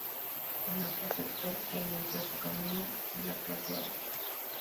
Tanaka aceptó, e inició su camino en la clase alta.